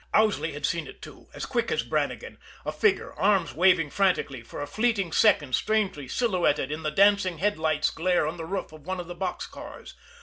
Owsley had seen it, too as quick as Brannigan a figure, arms waving frantically, for a fleeting second strangely silhouetted in the dancing headlight's glare on the roof of one of the box cars.